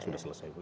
sudah selesai bu